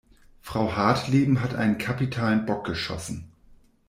Frau Hartleben hat einen kapitalen Bock geschossen.